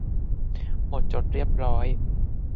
หมดจดเรียบร้อย